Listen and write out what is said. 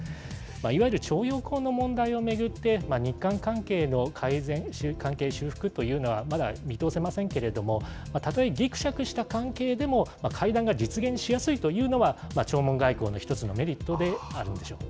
いわゆる徴用工の問題を巡って、日韓関係の改善、関係修復というのはまだ見通せませんけれども、たとえぎくしゃくした関係でも、会談が実現しやすいというのは、弔問外交の１つのメリットであるんでしょう。